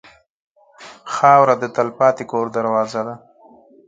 خاوره د تلپاتې کور دروازه ده.